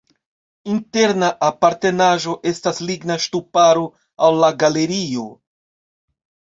Interna apartenaĵo estas ligna ŝtuparo al la galerio.